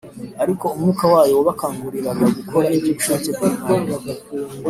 , ariko Umwuka wayo wabakanguriraga gukora iby’ubushake bw’Imana